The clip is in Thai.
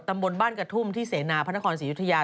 ตำบลบ้านกระทุ่มที่เสนาพระนครศรียุธยา